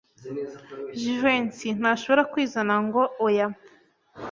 Jivency ntashobora kwizana ngo oya.